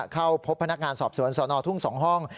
เข้าพบพนักงานสอบสวนสนทุ่ง๒ห้อง